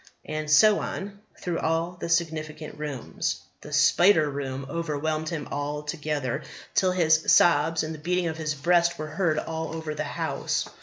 And so on, through all the significant rooms. The spider room overwhelmed him altogether, till his sobs and the beating of his breast were heard all over the house.